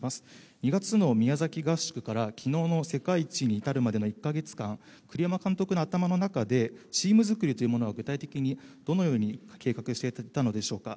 ２月の宮崎合宿から昨日の世界一に至るまでの１ヶ月間栗山監督の頭の中でチームづくりというのは具体的にどのように計画していたのでしょうか。